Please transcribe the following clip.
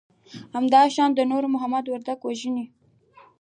همدا شان د نور محمد وردک وژنه